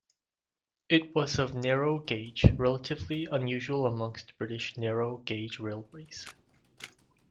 It was of narrow gauge, relatively unusual amongst British narrow gauge railways.